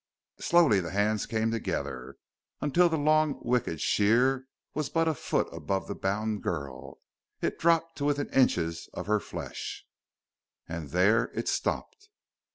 Slowly the hands came together, until the long, wicked shear was but a foot above the bound girl.... It dropped to within inches of her flesh.... And there it stopped.